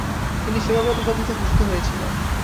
তিনি 'সেবাব্রত' উপাধিতে ভূষিত হয়েছিলেন।